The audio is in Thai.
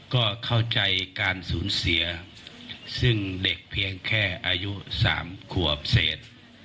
ก็เข้าใจการสูญเสียซึ่งเด็กเพียงแค่อายุ๓ขวบเศษ